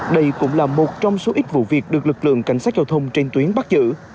đây cũng là một trong số ít vụ việc được lực lượng cảnh sát giao thông trên tuyến bắt giữ